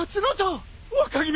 若君！